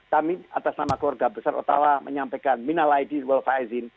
kami atas nama keluarga besar ottawa menyampaikan minal aidin wa'alaikumsalam